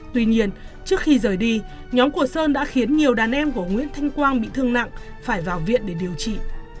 tuy nhiên trước khi rời đi nhóm của sơn đã khiến nhiều đàn em của nguyễn thanh quang bị thương nặng phải vào viện để điều trị